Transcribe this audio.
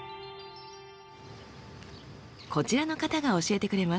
こちらの方が教えてくれます。